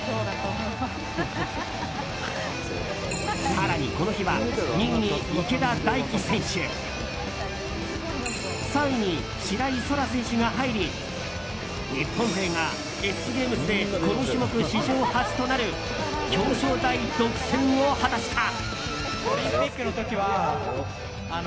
更に、この日は２位に池田大暉選手３位に白井空良選手が入り日本勢がＸＧＡＭＥＳでこの種目史上初となる表彰台独占を果たした。